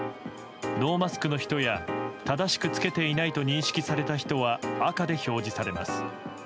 ノーマスクの人や正しく着けていないと認識された人は赤で表示されます。